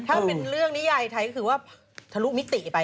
ถ้ามันเป็นเรื่องนิยายถัดถือว่าทะลุมิติไป